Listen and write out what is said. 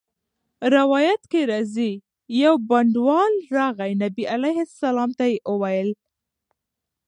روایت کي راځي: يو بانډَوال راغی، نبي عليه السلام ته ئي وويل